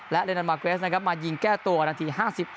และเรนนานมากเวสมายิงแก้ตัวนาที๕๖